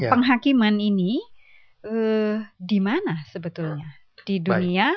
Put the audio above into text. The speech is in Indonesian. penghakiman ini di mana sebetulnya